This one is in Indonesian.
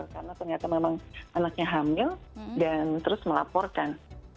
karena ternyata memang anaknya hamil dan terus melaporkan